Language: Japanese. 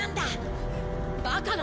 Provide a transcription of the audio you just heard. バカな！